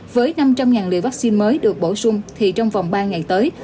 với năm trăm linh liều vaccine mới được bổ sung thì trong vòng ba ngày tới